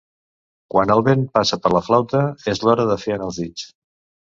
Quan el vent passa per la flauta és l'hora de fer anar els dits.